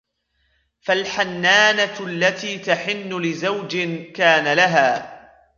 فَالْحَنَّانَةُ الَّتِي تَحِنُّ لِزَوْجٍ كَانَ لَهَا